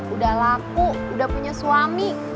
udah laku udah punya suami